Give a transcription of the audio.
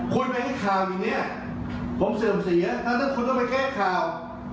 คุณไปให้ข่าวอย่างนี้ผมเสื่อมเสียทั้งคุณต้องไปแก้ข่าว